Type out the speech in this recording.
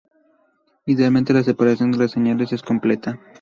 Idealmente, la separación de las señales es completa.